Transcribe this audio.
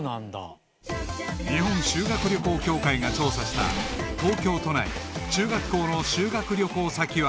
［日本修学旅行協会が調査した東京都内中学校の修学旅行先は］